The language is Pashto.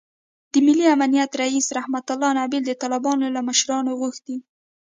د ملي امنیت رییس رحمتالله نبیل د طالبانو له مشرانو غوښتي